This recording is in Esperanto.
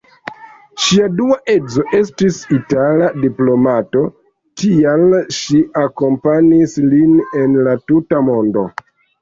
Ŝia dua edzo estis itala diplomato, tial ŝi akompanis lin en la tuta mondo.